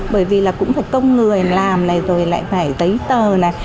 bởi vì là cũng phải công người làm này rồi lại phải giấy tờ này